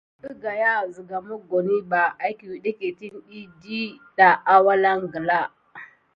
Əgaya siga mokoni bà akudekene dik awulan gala kisia ɗe.